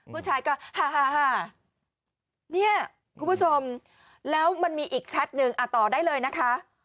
ผู้ชายก็ฮ่าเนี่ยคุณผู้ชมแล้วมันมีอีกแชทหนึ่งต่อได้เลยนะคะ